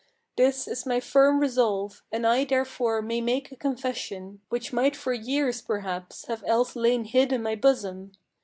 This is my firm resolve, and I therefore may make a confession Which might for years perhaps have else lain hid in my bosom.